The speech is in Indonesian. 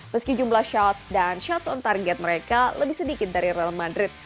meski jumlah shots dan shot on target mereka lebih sedikit dari real madrid